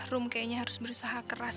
room kayaknya harus berusaha keras